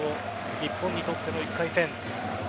日本にとっての１回戦。